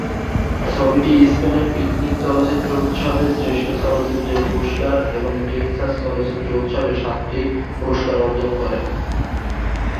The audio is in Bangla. ছবিটি স্পেনের পিকনিক চলচ্চিত্র উৎসবে শ্রেষ্ঠ চলচ্চিত্রের পুরস্কার, এবং টেক্সাস চলচ্চিত্র উৎসবে সাতটি পুরস্কার অর্জন করে।